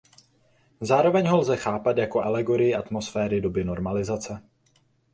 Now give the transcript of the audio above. Zároveň ho lze chápat jako alegorii atmosféry doby normalizace.